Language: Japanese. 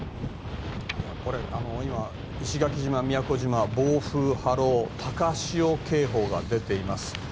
今、石垣島と宮古島は暴風・波浪高潮警報が出ています。